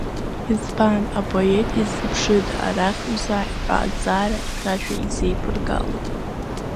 Избан апоет иузыԥшыда арахь узааи ҳәа азҵаара хьшәашәа изиԥыргалеи?